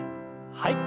はい。